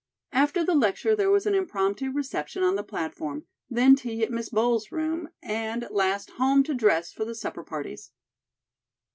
After the lecture there was an impromptu reception on the platform; then tea at Miss Bowles' room and at last home to dress for the supper parties.